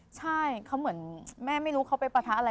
ใช่เขาเหมือนแม่ไม่รู้เขาไปปะทะอะไร